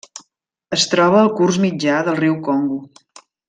Es troba al curs mitjà del riu Congo.